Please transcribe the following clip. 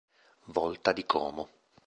Volta di Como.